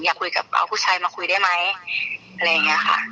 อยากคุยกับเอาผู้ชายมาคุยได้ไหมอะไรอย่างนี้ค่ะ